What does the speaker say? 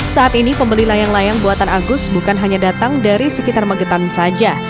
saat ini pembeli layang layang buatan agus bukan hanya datang dari sekitar magetan saja